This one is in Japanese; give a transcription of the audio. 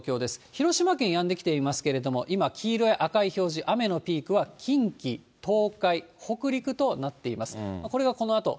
広島県やんできていますけれども、今、黄色や赤い表示、雨のピークは近畿、東海、北陸となっています。